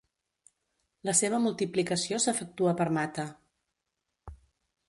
La seva multiplicació s'efectua per mata.